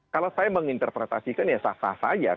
kalau saya menginterpretasikan ya sah sah saja